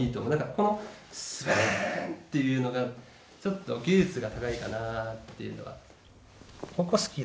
このスバンっていうのがちょっと技術が高いかなっていうのが。